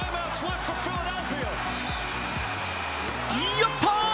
やったー！